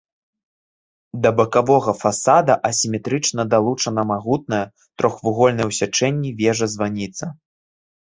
Да бакавога фасада асіметрычна далучана магутная, трохвугольная ў сячэнні, вежа-званіца.